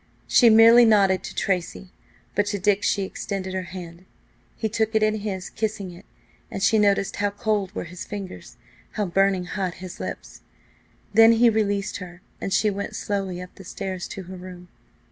She merely nodded to Tracy, but to Dick she extended her hand. He took it in his, kissing it, and she noticed how cold were his fingers, how burning hot his lips. Then he released her, and she went slowly up the stairs to her room.